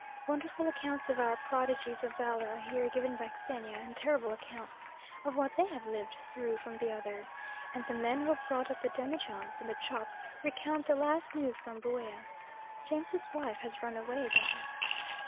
Wonderful accounts of our prodigies of valour I hear given by Xenia, and terrible accounts of what they have lived through from the others, and the men who have brought up the demijohns and the chop recount the last news from Buea. James's wife has run away again.